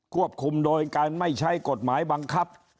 ควบคุมโดยการไม่ใช้กฎหมายบังคับ